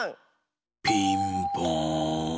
ピンポーン。